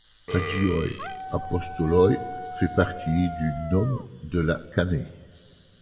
Agioi Apostoloi fait partie du nome de la Canée.